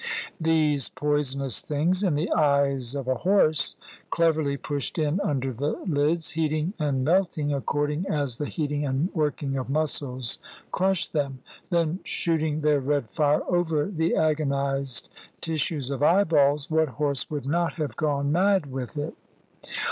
These poisonous things in the eyes of a horse, cleverly pushed in under the lids, heating and melting, according as the heating and working of muscles crushed them; then shooting their red fire over the agonised tissues of eyeballs, what horse would not have gone mad with it?